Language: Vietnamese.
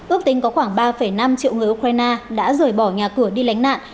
ước tính có khoảng ba năm triệu người ukraine đã rời bỏ nhà cửa đi lánh nạn